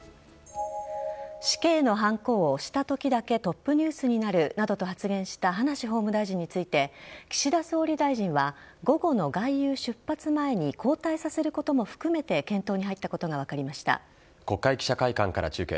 死刑のハンコを押したときだけトップニュースになるなどと発言した葉梨法務大臣について岸田総理大臣は午後の外遊出発前に交代させることも含めて検討に入ったことが分かりました。